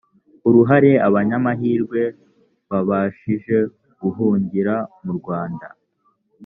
uruhare abanyamahirwe babashije guhungira mu rwanda